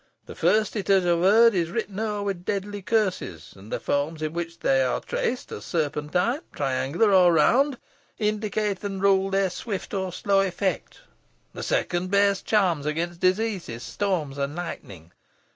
The first, it is averred, is written o'er with deadly curses, and the forms in which they are traced, as serpentine, triangular, or round, indicate and rule their swift or slow effect. The second bears charms against diseases, storms, and lightning.